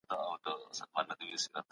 هر اقتصاد پوه خپل استدلال لري.